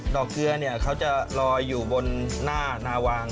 เกลือเนี่ยเขาจะลอยอยู่บนหน้านาวาง